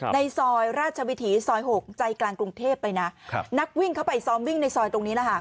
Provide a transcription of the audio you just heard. ในซอยราชวิถีซอย๖ใจกลางกรุงเทพไปนะนักวิ่งเข้าไปซ้อมวิ่งในซอยตรงนี้แหละค่ะ